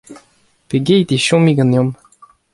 Pegeit e chomi ganeomp ?